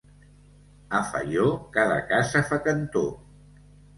A Faió cada casa fa cantó.